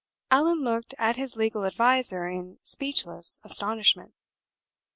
Allan looked at his legal adviser in speechless astonishment.